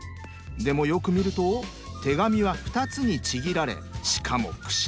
でもよく見ると手紙は２つにちぎられしかもクシャクシャ。